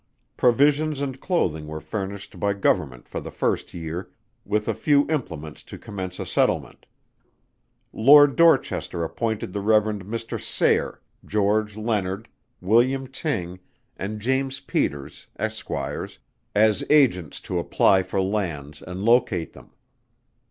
Provisions and clothing were furnished by Government for the first year, with a few implements to commence a settlement. Lord DORCHESTER appointed the Rev. Mr. SAYRE, GEORGE LEONARD, WILLIAM TYNG, and JAMES PETERS, Esquires, as agents to apply for lands and locate them.